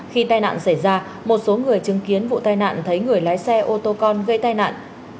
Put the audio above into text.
khi tai nạn xảy ra một số người chứng kiến vụ tai nạn thấy người lái xe ô tô con gây tai nạn